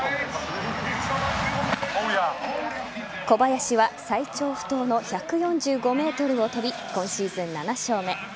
小林は最長不倒の１４５ｍを跳び今シーズン７勝目。